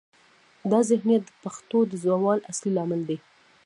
دا ذهنیت د پښتو د زوال اصلي لامل دی.